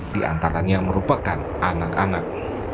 diantaranya merupakan anak anak